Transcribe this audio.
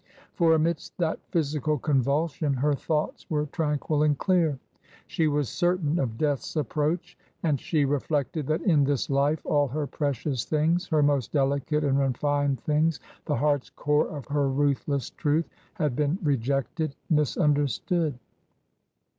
For amidst that physical convulsion her thoughts were tranquil and clear. She was certain of Death's ap 308 TRANSITION. proach. And she reflected that in this life all her precious things, her most delicate and refined things, the heart's core of her ruthless truth, had been rejected — misunderstood.